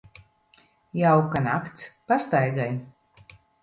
Jauka nakts pastaigai.